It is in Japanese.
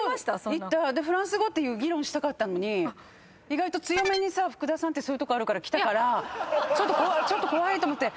フランス語っていう議論したかったのに意外と強めに福田さんってそういうとこあるからきたからちょっと怖いと思って。